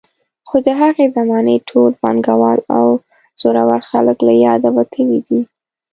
خو د هغې زمانې ټول پانګوال او زورور خلک له یاده وتلي دي.